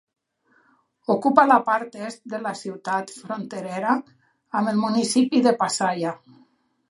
Ocupa la part est de la ciutat fronterera amb el municipi de Pasaia.